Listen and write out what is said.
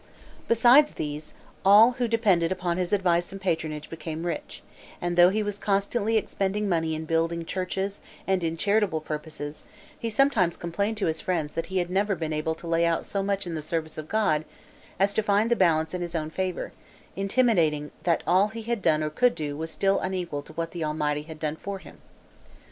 Besides these, all who depended upon his advice and patronage became rich; and, though he was constantly expending money in building churches, and in charitable purposes, he sometimes complained to his friends that he had never been able to lay out so much in the service of God as to find the balance in his own favor, intimating that all he had done or could do, was still unequal to what the Almighty had done for him.